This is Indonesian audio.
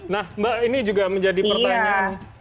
nah mbak ini juga menjadi pertanyaan